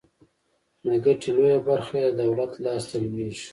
د ګټې لویه برخه یې د دولت لاس ته لویږي.